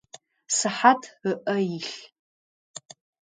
Сыхьат ыӏэ илъ.